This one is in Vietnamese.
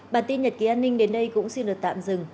bản tin nhật ký an ninh đến đây cũng xin được tạm dừng